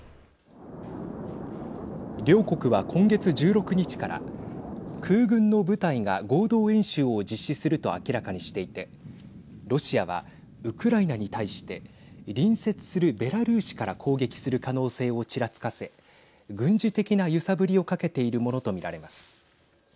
両国は今月１６日から空軍の部隊が合同演習を実施すると明らかにしていてロシアはウクライナに対して隣接するベラルーシから攻撃する可能性をちらつかせ軍事的な揺さぶりをかけているものと見られます。